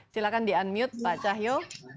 silahkan di unmute pak cahyo